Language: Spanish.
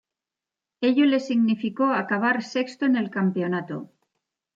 Ello le significó acabar sexto en el campeonato.